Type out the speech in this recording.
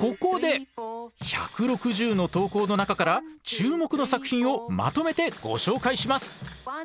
ここで１６０の投稿の中から注目の作品をまとめてご紹介します。